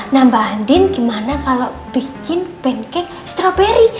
nah mbak andin gimana kalau bikin pancake strawberry